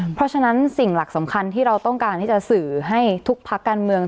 เพราะฉะนั้นสิ่งหลักสำคัญที่เราต้องการที่จะสื่อให้ทุกพักการเมือง